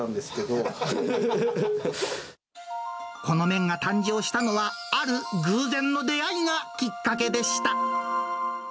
この麺が誕生したのは、ある偶然の出会いがきっかけでした。